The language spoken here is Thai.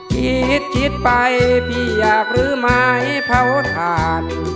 คิดคิดไปพี่อยากรื้อไม้เผาถ่าน